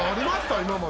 今まで。